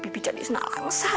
bibi jadi nalangsa